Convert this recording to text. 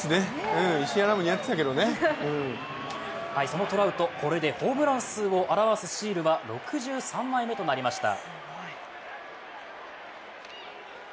そのトラウト、これでホームラン数を表すシールは６３枚目となりました。